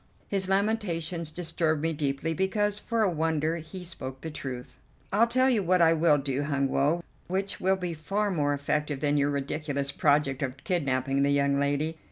His lamentations disturbed me deeply, because, for a wonder, he spoke the truth. "I'll tell you what I will do, Hun Woe, which will be far more effective than your ridiculous project of kidnapping the young lady.